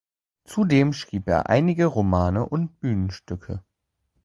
Zudem schrieb er einige Romane und Bühnenstücke.